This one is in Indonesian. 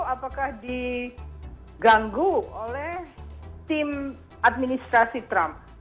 apakah diganggu oleh tim administrasi trump